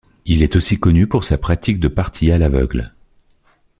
Il est aussi connu pour sa pratique de parties à l'aveugle.